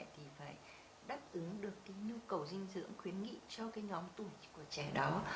thì phải đáp ứng được nhu cầu dinh dưỡng khuyến nghị cho nhóm tuổi của trẻ đó